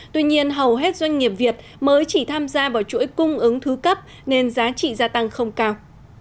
tuy nhiên hầu hết doanh nghiệp việt mới chỉ tham gia vào chuỗi cung ứng thứ cấp nên giá trị gia tăng không cao